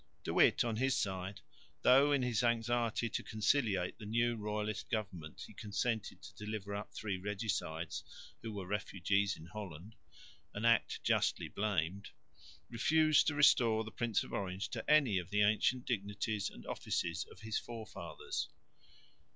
De Witt on his side, though in his anxiety to conciliate the new royalist government he consented to deliver up three regicides who were refugees in Holland (an act justly blamed), refused to restore the Prince of Orange to any of the ancient dignities and offices of his forefathers.